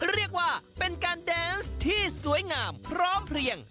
เรียกว่าเป็นการแดนส์ที่สวยงามพร้อมเพลียง